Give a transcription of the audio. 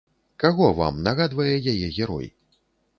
Каго вам нагадвае яе герой?